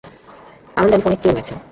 আমান জানি ফোনে কে রয়েছে।